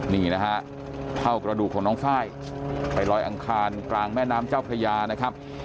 นี่นะฮะเท่ากระดูกของน้องไฟล์ไปลอยอังคารกลางแม่น้ำเจ้าพระยานะครับ